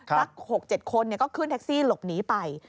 สัก๖๗คนก็ขึ้นแท็กซี่หลบหนีไป